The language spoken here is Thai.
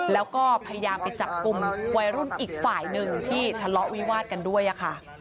แล้วก็พยายามไปจับกลุ่มวัยรุ่นอีกฝ่ายหนึ่งที่ทะเลาะวิวาดกันด้วยค่ะ